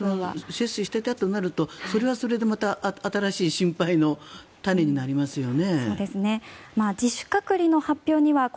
接種していたとなるとそれはそれでまた新しい心配の種になりますよね。